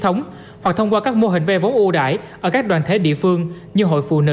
thống hoặc thông qua các mô hình vay vốn ưu đãi ở các đoàn thể địa phương như hội phụ nữ hội nông dân